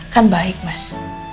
kan baik mas